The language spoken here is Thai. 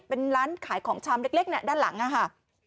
เป็นร้านขายของชามเล็กด้านหลังค่ะ